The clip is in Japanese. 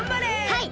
はい！